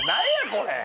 これ！